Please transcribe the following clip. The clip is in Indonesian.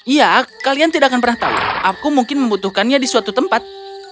ya kalian tidak akan pernah tahu aku mungkin membutuhkannya di suatu tempat